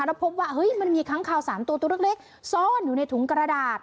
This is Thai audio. แล้วพบว่ามันมีค้างคาว๓ตัวตัวเล็กซ่อนอยู่ในถุงกระดาษ